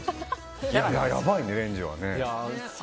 やばいね、レンジは。